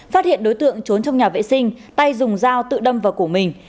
phát hiện đối tượng trốn trong nhà vệ sinh tay dùng dao tự đâm vào cổ mình